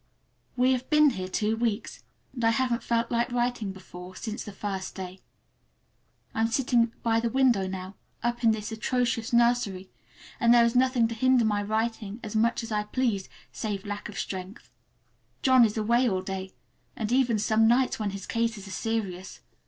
We have been here two weeks, and I haven't felt like writing before, since that first day. I am sitting by the window now, up in this atrocious nursery, and there is nothing to hinder my writing as much as I please, save lack of strength. John is away all day, and even some nights when his cases are serious.